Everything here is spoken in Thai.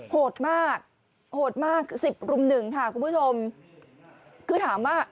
โหดมากโหดมากสิบรุมหนึ่งค่ะคุณผู้ชมคือถามว่า